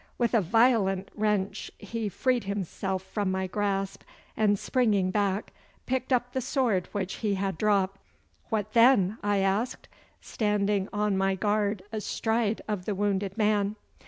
With a violent wrench he freed himself from my grasp, and springing back, picked up the sword which he had dropped. 'What then?' I asked, standing on my guard astride of the wounded man.